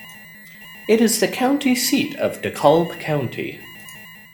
It is the county seat of DeKalb County.